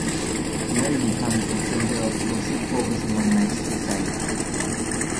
Mary becomes the center of gossip focusing on Max's suicide.